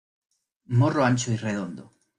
Morro ancho y redondo.